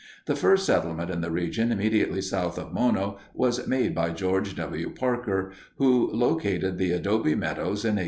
The first settlement in the region immediately south of Mono was made by George W. Parker, who located the Adobe Meadows in 1860.